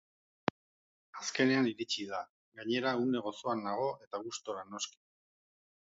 Azkenean iritsi da, gainera une gozoan nago eta gustora noski.